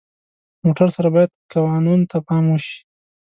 موټر سره باید قانون ته پام وشي.